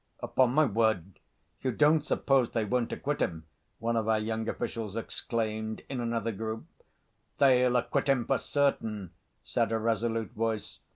"Upon my word, you don't suppose they won't acquit him?" one of our young officials exclaimed in another group. "They'll acquit him for certain," said a resolute voice.